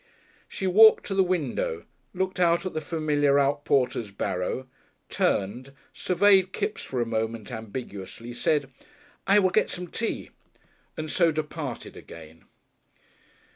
She walked to the window, looked out at the familiar outporter's barrow, turned, surveyed Kipps for a moment ambiguously, said "I will get some tea," and so departed again.